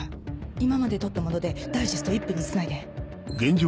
今まで撮ったものでダイジェスト１分につないで。